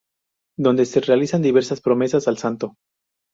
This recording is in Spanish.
Donde se realizan diversas promesas al santo.